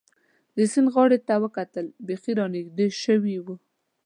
د سیند غاړې ته وکتل، بېخي را نږدې شوي و.